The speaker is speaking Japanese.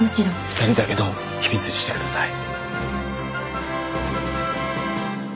二人だけの秘密にしてください。